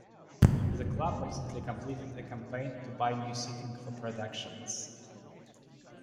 The club recently completed a campaign to buy new seating for productions.